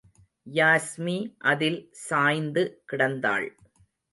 யாஸ்மி அதில் சாய்ந்து கிடந்தாள்.